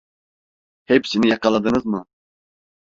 Hepsini yakaladınız mı?